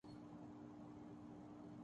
میرے شوہر یہ جملہ بنا رہا ہے